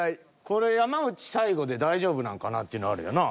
これ山内最後で大丈夫なんかなっていうのあるよな。